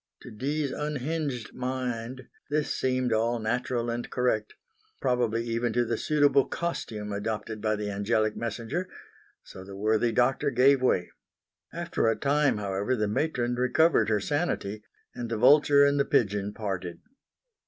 To Dee's unhinged mind this seemed all natural and correct probably even to the suitable costume adopted by the angelic messenger: so the worthy doctor gave way. After a time however the matron recovered her sanity, and the vulture and the pigeon parted.